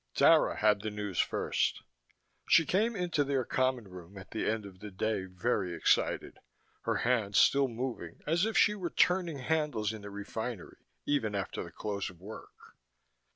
Dara had the news first. She came into their common room at the end of the day, very excited, her hands still moving as if she were turning handles in the refinery even after the close of work.